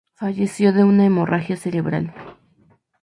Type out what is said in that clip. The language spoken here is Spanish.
Falleció de una hemorragia cerebral.